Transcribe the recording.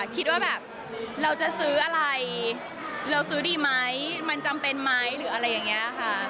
คิดว่าแบบเราจะซื้ออะไรเราซื้อดีไหมมันจำเป็นไหมหรืออะไรอย่างนี้ค่ะ